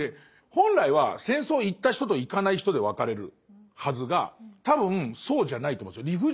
本来は戦争行った人と行かない人で分かれるはずが多分そうじゃないと思うんですよ